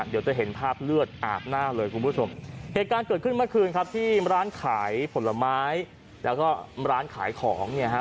เดี๋ยวจะเห็นภาพเลือดอาบหน้าเลยคุณผู้ชมเหตุการณ์เกิดขึ้นเมื่อคืนครับที่ร้านขายผลไม้แล้วก็ร้านขายของเนี่ยฮะ